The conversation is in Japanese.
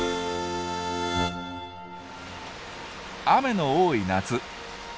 雨の多い夏。